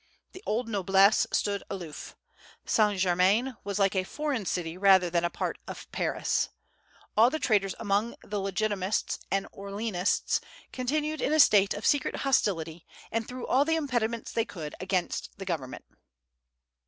The old noblesse stood aloof. St. Germain was like a foreign city rather than a part of Paris. All the traders among the Legitimists and Orléanists continued in a state of secret hostility, and threw all the impediments they could against the government.